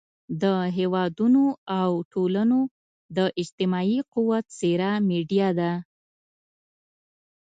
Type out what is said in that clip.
د هېوادونو او ټولنو د اجتماعي قوت څېره میډیا ده.